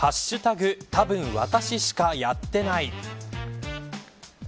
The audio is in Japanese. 多分私しかやってない。